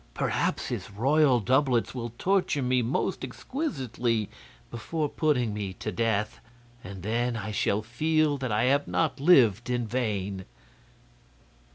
Perhaps his royal doublets will torture me most exquisitely before putting me to death, and then I shall feel that I have not lived in vain."